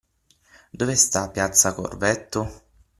Dove sta Piazza Corvetto?